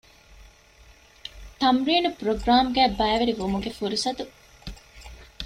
ތަމްރީން ޕްރޮގްރާމްގައި ބައިވެރިވުމުގެ ފުރުޞަތު